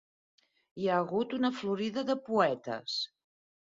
Hi ha hagut una florida de poetes.